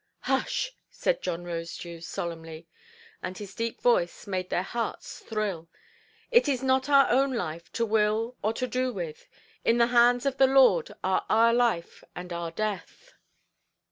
"Hush"! said John Rosedew, solemnly, and his deep voice made their hearts thrill; "it is not our own life to will or to do with. In the hands of the Lord are our life and our death".